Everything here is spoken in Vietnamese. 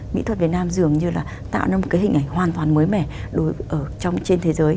mỹ thuật việt nam dường như là tạo ra một cái hình ảnh hoàn toàn mới mẻ ở trên thế giới